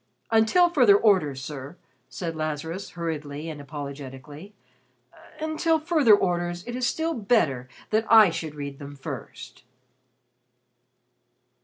"Until further orders, sir," said Lazarus hurriedly and apologetically "until further orders, it is still better that I should read them first."